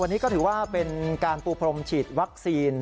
วันนี้ก็ถือว่าเป็นการปูพรมฉีดวัคซีน